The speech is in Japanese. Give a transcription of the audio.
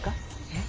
え？